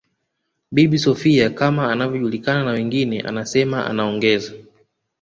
Bibi Sophia kama anavyojulikana na wengine anasema anaongeza